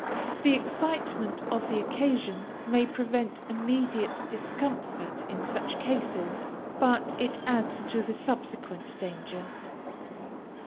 The excitement of the occasion may prevent immediate discomfort in such cases, but it adds to the subsequent danger.